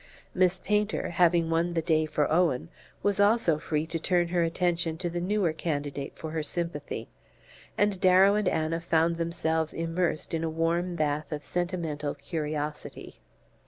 Miss Painter, having won the day for Owen, was also free to turn her attention to the newer candidate for her sympathy; and Darrow and Anna found themselves immersed in a warm bath of sentimental curiosity.